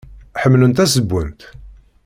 Ḥemmlent ad ssewwent?